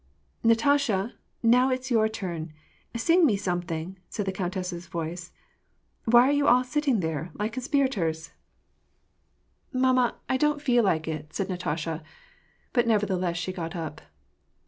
"Natasha ! now it is your turn. Sing me something !" said the countess's voice. "Why are you all sitting there, like conspirators ?" VOL.2.— 19, 290 WAR AND PEACE. " Mamma ! I don't feel like it/' said Natasha ; bat^ never theless, she got up.